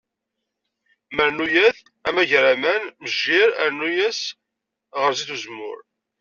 Marnuyet, amagraman, mejjir rnu-as ɣer zzit n uzemmur.